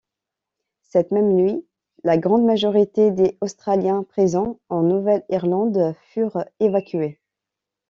Cette même nuit, la grande majorité des australiens présents en Nouvelle-Irlande furent évacués.